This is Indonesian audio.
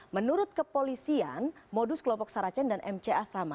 menurut kepolisian modus kelompok sarah chen dan mca sama